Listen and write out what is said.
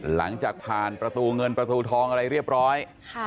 หลังจากผ่านประตูเงินประตูทองอะไรเรียบร้อย